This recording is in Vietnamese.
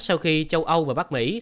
sau khi châu âu và bắc mỹ